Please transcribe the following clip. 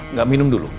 nggak minum dulu